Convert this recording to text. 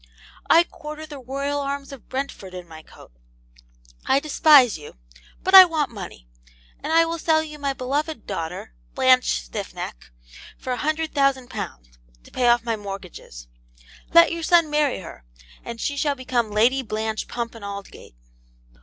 I quarter the Royal Arms of Brentford in my coat. I despise you, but I want money; and I will sell you my beloved daughter, Blanche Stiffneck, for a hundred thousand pounds, to pay off my mortgages. Let your son marry her, and she shall become Lady Blanche Pump and Aldgate.'